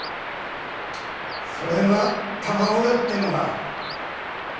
それが卵だってのか？